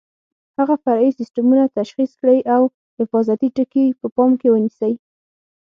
هغه فرعي سیسټمونه تشخیص کړئ او حفاظتي ټکي په پام کې ونیسئ.